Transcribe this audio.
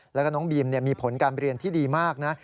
แล้วก็น้องบีมมีผลการเรียนที่ดีมากนะ